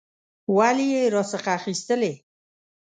ولي یې راڅخه اخیستلې؟